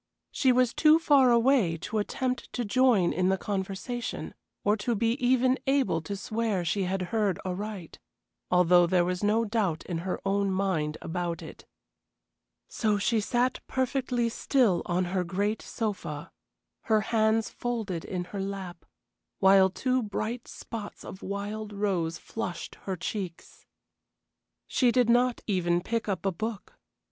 She was too far away to attempt to join in the conversation, or to be even able to swear she had heard aright, although there was no doubt in her own mind about it. So she sat perfectly still on her great sofa, her hands folded in her lap, while two bright spots of wild rose flushed her cheeks. She did not even pick up a book.